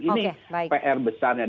ini pr besarnya